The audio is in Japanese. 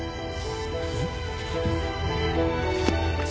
えっ？